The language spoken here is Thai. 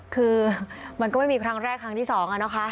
คือมันก็ไม่มีครั้งแรกครั้งที่สองอะนะคะ